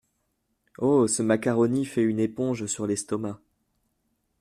Oh ! ce macaroni fait une éponge sur l’estomac !